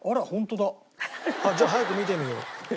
じゃあ早く見てみよう。